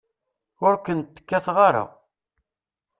Ur kent-kkateɣ ara.